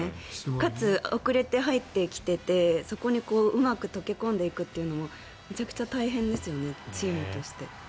かつ、遅れて入ってきていてそこにうまく溶け込んでいくというのもめちゃくちゃ大変ですよねチームとして。